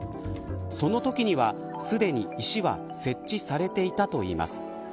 そのときには、すでに石は設置されていたといいます。